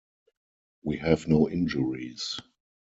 We have no injuries.